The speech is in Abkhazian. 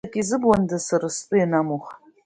Усгьы акы изыбундаз, сара стәы ианамух!